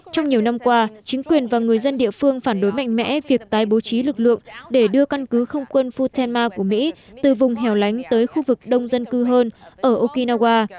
trong nhiều năm qua chính quyền và người dân địa phương phản đối mạnh mẽ việc tái bố trí lực lượng để đưa căn cứ không quân futema của mỹ từ vùng hẻo lánh tới khu vực đông dân cư hơn ở okinawa